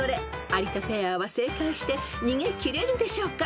［有田ペアは正解して逃げきれるでしょうか？］